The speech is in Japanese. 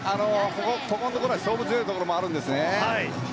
ここのところは勝負強いところもあるんですね。